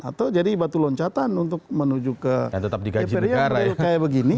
atau jadi batu loncatan untuk menuju ke dpr yang kayak begini